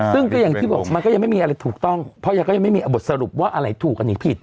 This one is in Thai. ซึ่งก็อย่างที่บอกมันก็ยังไม่มีอะไรถูกต้องเพราะยังก็ยังไม่มีบทสรุปว่าอะไรถูกอันนี้ผิด